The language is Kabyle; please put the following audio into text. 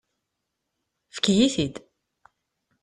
Efk-iyi-t-id.